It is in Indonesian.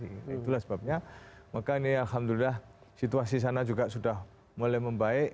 itulah sebabnya maka ini alhamdulillah situasi sana juga sudah mulai membaik